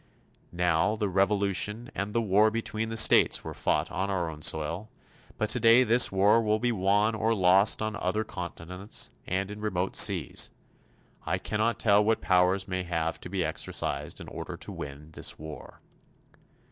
Now the revolution and the war between the states were fought on our own soil, but today this war will be won or lost on other continents and in remote seas. I cannot tell what powers may have to be exercised in order to win this war.